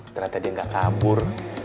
ternyata dia gak kabur